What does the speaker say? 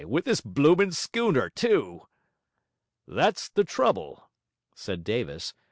with this bloomin' schooner, too?' 'That's the trouble,' said Davis.